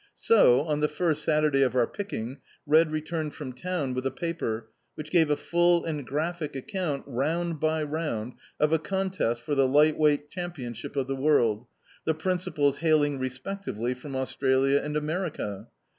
So, on the first Saturday of our picking, Red returned from town with a paper which gave a full and graphic account, round by round, of a contest for the light wei^t champion ship of the world, the principals hailing respectively from Australia and America.